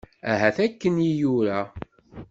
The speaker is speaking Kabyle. Ahat akken i yura.